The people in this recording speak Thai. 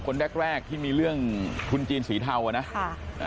คนแรกที่มีเรื่องทุนจีนสีเทานะครับ